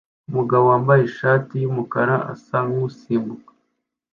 Umugabo wambaye ishati yumukara asa nkusimbuka